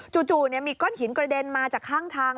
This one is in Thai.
จู่มีก้อนหินกระเด็นมาจากข้างทาง